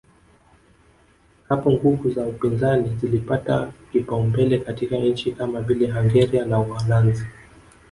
Hapo nguvu za upinzani zilipata kipaumbele katika nchi kama vile Hungaria na Uholanzi